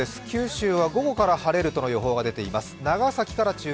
九州は午後から晴れるという予報が出ています。